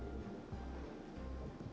nah waktu itu ada disebut oleh